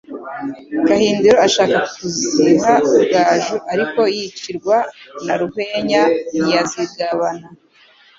Gahindiro ashaka kuziha Rugaju ariko yicirwa na Ruhwenya ntiyazigabana.